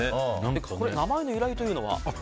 名前の由来というのは？